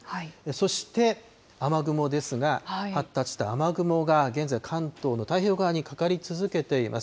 そして、雨雲ですが、発達した雨雲が現在、関東の太平洋側にかかり続けています。